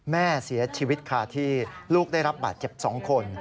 แม่เสียชีวิตคาที่ลูกได้รับบาดเจ็บ๒คน